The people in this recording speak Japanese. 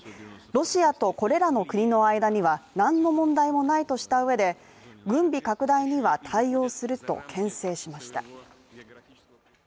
ロシアとこれらの国の間には何の問題もないとしたうえで、軍備拡大には対応すると牽制しました。